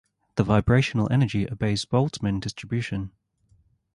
The vibrational energy obeys Boltzmann distribution.